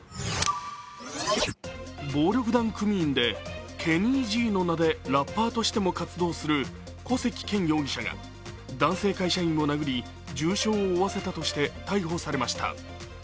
暴力団組員で、ＫＥＮＮＹ−Ｇの名前でラッパーとしても活動する古関健容疑者が男性会社員を殴り重傷を負わせたとして逮捕されました。